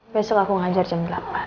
besok aku ngajar jam delapan